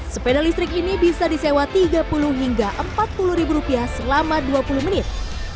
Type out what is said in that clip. sepeda listrik ini bisa disewa tiga puluh hingga empat puluh ribu rupiah selama dua puluh menit